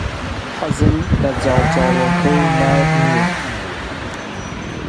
حەزم لە جاڵجاڵۆکە و مار نییە.